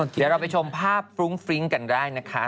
เดี๋ยวเราไปชมภาพฟรุ้งฟริ้งกันได้นะคะ